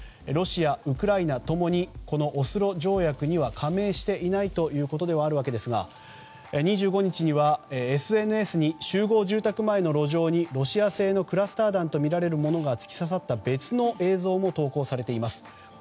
ロシア、ウクライナ共にこのオスロ条約には加盟していないということではあるわけですが２５日には、ＳＮＳに集合住宅前の路上にロシア製のクラスター弾とみられるものが突き刺さった別の映像も投稿されています。